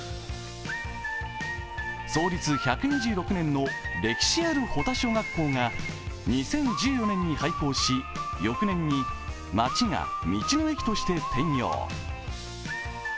創立１２６年の歴史ある保田小学校が２０１４年に廃校し、翌年に町が道の駅として転用。